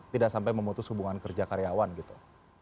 tidak sampai memutus hubungan kerja karyawan gitu